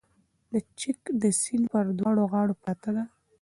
د چک د سیند پر دواړو غاړو پرته ده